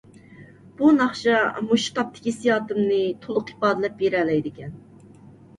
بۇ ناخشا مۇشۇ تاپتىكى ھېسسىياتىمنى تولۇق ئىپادىلەپ بېرەلەيدىكەن.